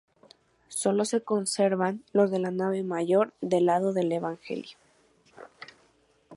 Solo se conservan los de la nave mayor y del lado del evangelio.